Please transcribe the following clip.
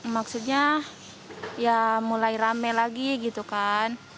maksudnya ya mulai rame lagi gitu kan